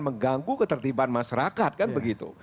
mengganggu ketertiban masyarakat kan begitu